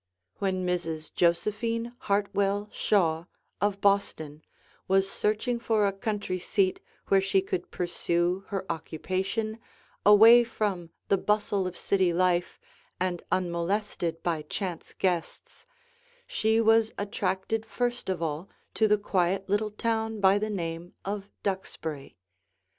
When Mrs. Josephine Hartwell Shaw, of Boston, was searching for a country seat where she could pursue her occupation away from the bustle of city life and unmolested by chance guests, she was attracted first of all to the quiet little town by the name of Duxbury.